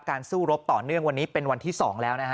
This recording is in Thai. สู้รบต่อเนื่องวันนี้เป็นวันที่๒แล้วนะฮะ